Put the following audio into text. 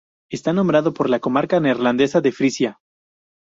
Está nombrado por la comarca neerlandesa de Frisia.